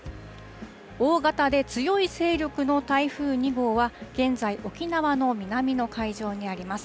大型で強い勢力の台風２号は、現在、沖縄の南の海上にあります。